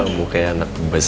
akuliesin buat cad nobel tersang